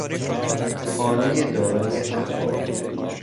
خانهی دارای ارواح